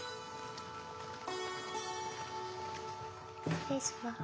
失礼します。